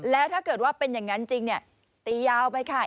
แล้วถ้าเกิดว่าเป็นอย่างนั้นจริงเนี่ยตียาวไปค่ะ